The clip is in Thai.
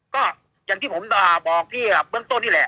ก็อย่างที่ผมบอกพี่เบื้องต้นนี่แหละ